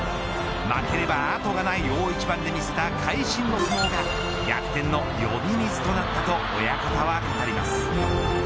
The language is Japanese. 負ければ後がない大一番で見せた、会心の相撲が呼び水なったと親方は語ります。